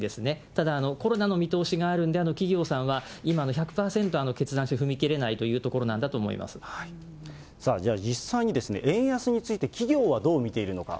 ただ、コロナの見通しがあるんで、企業さんは今の１００％決断して踏み切れないというところなんだじゃあ、実際に円安について企業はどう見ているのか。